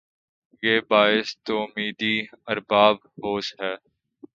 یہ باعث تومیدی ارباب ہوس ھے